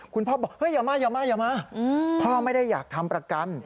คุณพ่อบอกอย่ามาพ่อไม่ได้อยากทำประกัน